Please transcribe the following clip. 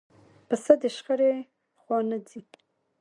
پسه د شخړې خوا نه ځي.